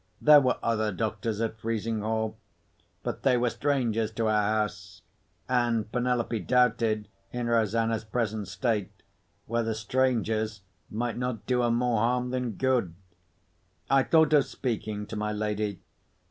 There were other doctors at Frizinghall. But they were strangers to our house; and Penelope doubted, in Rosanna's present state, whether strangers might not do her more harm than good. I thought of speaking to my lady.